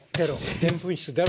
でんぷん質出ろ。